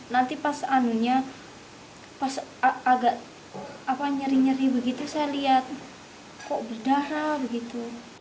nanti pas anunya pas agak nyeri nyeri begitu saya lihat kok berdarah begitu